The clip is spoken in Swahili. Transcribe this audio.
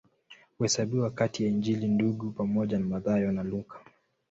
Huhesabiwa kati ya Injili Ndugu pamoja na Mathayo na Luka.